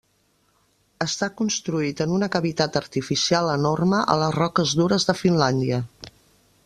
Està construït en una cavitat artificial enorme a les roques dures de Finlàndia.